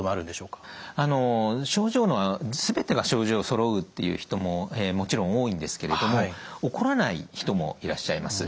症状の全てが症状そろうっていう人ももちろん多いんですけれども起こらない人もいらっしゃいます。